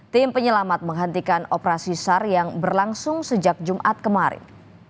tim penyelamat menghentikan operasi sar yang berlangsung sejak jumat kemarin